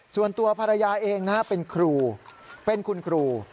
ส่วนตัวภรรยาเองนะฮะเป็นครูเป็นคุณครู